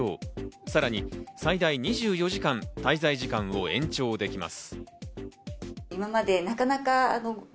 さらに最大２４時間、滞在時間を延長できます。